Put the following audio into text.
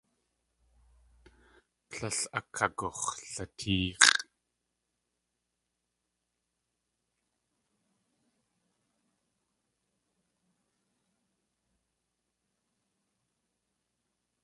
Tlél akagux̲latéex̲ʼ.